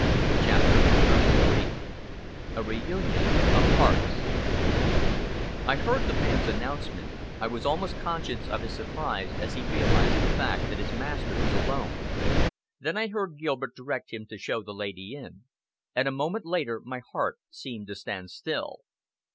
CHAPTER XXXIII A REUNION OF HEARTS I heard the man's announcement, I was almost conscious of his surprise as he realized the fact that his master was alone. Then I heard Gilbert direct him to show the lady in; and a moment later my heart seemed to stand still.